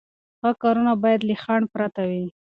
ښه کارونه باید له خنډ پرته وي.